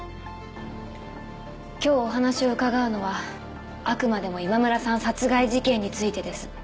今日お話を伺うのはあくまでも今村さん殺害事件についてです。